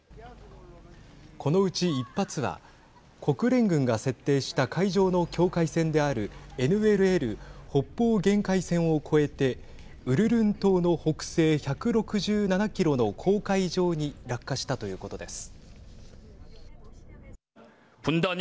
このうち１発は国連軍が設定した海上の境界線であるＮＬＬ＝北方限界線を越えてウルルン島の北西１６７キロの公海上に落下したということです。